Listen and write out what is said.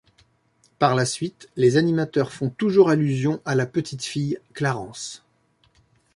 Par la suite les animateurs font toujours allusion à la petite fille, Clarence.